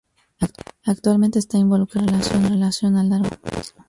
Actualmente está involucrada en una relación a largo plazo.